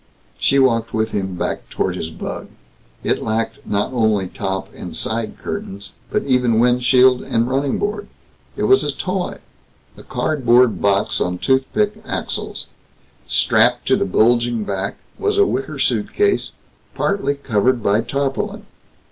She walked with him back toward his bug. It lacked not only top and side curtains, but even windshield and running board. It was a toy a card board box on toothpick axles. Strapped to the bulging back was a wicker suitcase partly covered by tarpaulin.